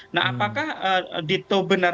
nah apakah dito benar